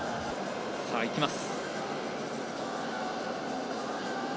いきます。